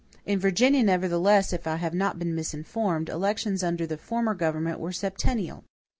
In Virginia, nevertheless, if I have not been misinformed, elections under the former government were septennial.